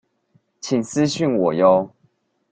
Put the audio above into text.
請私訊我唷